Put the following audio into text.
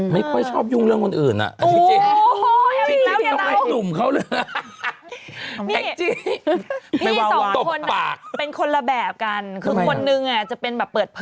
ไม่ค่อยชอบยุ่งเรื่องคนอื่น